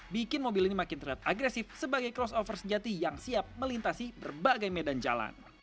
bikin mobil ini makin terlihat agresif sebagai crossover sejati yang siap melintasi berbagai medan jalan